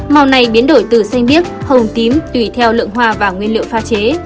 màu này biến đổi từ xanh biếc hồng tím tùy theo lượng hoa và nguyên liệu pha chế